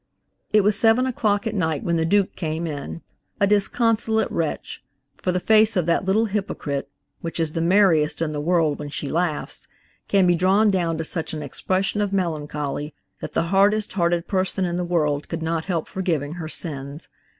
It was seven o'clock at night when the Duke came in, a disconsolate wretch–for the face of that little hypocrite, which is the merriest in the world when she laughs, can be drawn down to such an expression of melancholy that the hardest hearted person in the world could not help forgiving her sins.